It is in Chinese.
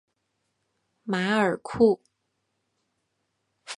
马尔库。